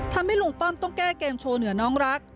ทำให้ลุงป้อมต้องแก้เกมโชว์เหนือน้องรัก